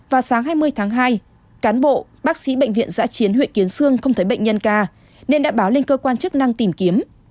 vào sáng hai mươi tháng hai cán bộ bác sĩ bệnh viện giã chiến huyện kiến sương không thấy bệnh nhân ca nên đã báo lên cơ quan chức năng tìm kiếm